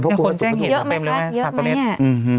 คนแจ้งเหตุพรรณเต็มเลยไหมถัดตรงนี้